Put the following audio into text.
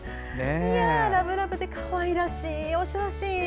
ラブラブでかわいらしいお写真。